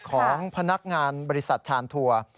ของพนักงานบริษัทชานทัวร์